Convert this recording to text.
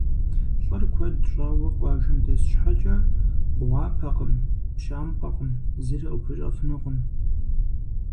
ЛӀыр куэд щӀауэ къуажэм дэс щхьэкӀэ, гъуапэкъым, пщампӀэкъым, зыри къыпхуищӀэфынукъым.